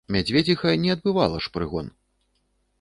Мядзведзіха не адбывала ж прыгон.